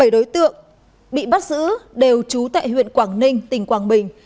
bảy đối tượng bị bắt giữ đều trú tại huyện quảng ninh tỉnh quảng bình